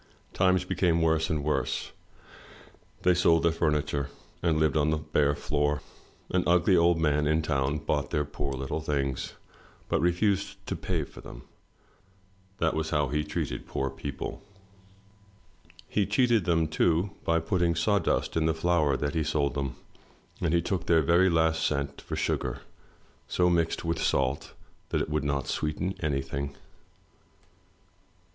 Times became worse and worse, they sold their furniture and lived on the bare floor. An ugly old man in town bought their poor little things, but refused to pay for them, — that was his way of treating poor people. He cheated them, too, by putting saw dust in the flour that he sold them, and he took their very last cent for sugar so mixed with salt that it would not sweeten anything.